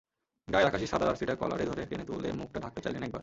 গায়ের আকাশি-সাদা জার্সিটা কলারে ধরে টেনে তুলে মুখটা ঢাকতে চাইলেন একবার।